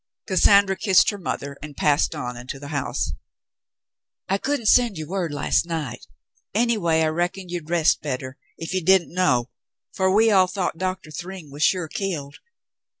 Cassandra kissed her mother and passed on into the house. *'I couldn't send you word last night; anyway, I reckoned you'd rest better if you didn't know, for we all thought Doctor Thryng was sure killed.